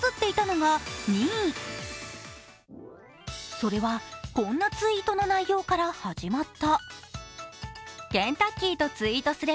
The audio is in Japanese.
それは、こんなツイートの内容から始まった。